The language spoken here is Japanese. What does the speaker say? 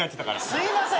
すいません。